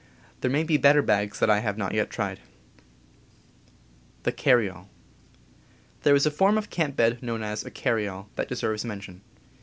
There may be better bags that I have not tried. There is a form of camp bed known as a "carry all" that deserves mention.